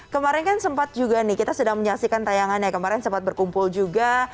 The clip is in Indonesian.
kemarin kan sempat juga nih kita sedang menyaksikan tayangannya kemarin sempat berkumpul juga